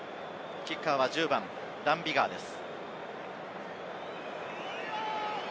キッカーは１０番ダン・ビガーです。